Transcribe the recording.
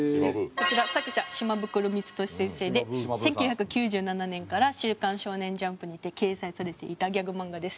こちら作者島袋光年先生で１９９７年から『週刊少年ジャンプ』にて掲載されていたギャグ漫画です。